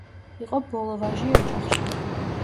იყო ბოლო ვაჟი ოჯახში.